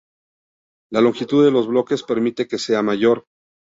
La longitud de los bloques permite que sea mayor.